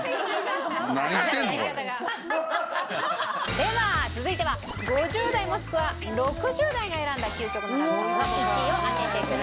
では続いては５０代もしくは６０代が選んだ究極のラブソングの１位を当ててください。